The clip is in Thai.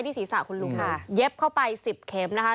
ที่ศีรษะคุณลุงเย็บเข้าไป๑๐เข็ม